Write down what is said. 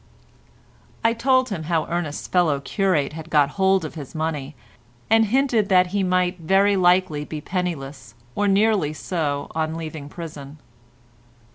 I told him how Ernest's fellow curate had got hold of his money, and hinted that he might very likely be penniless, or nearly so, on leaving prison.